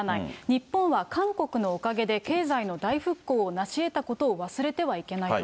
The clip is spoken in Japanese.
日本は韓国のおかげで経済の大復興をなしえたことを忘れてはいけないと。